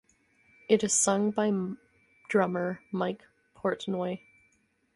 It is sung by drummer Mike Portnoy.